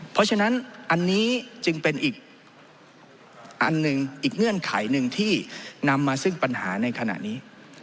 เพราะฉะนั้นอันนี้จึงเป็นอีกอันหนึ่งอีกเงื่อนไขหนึ่งที่นำมาซึ่งปัญหาในขณะนี้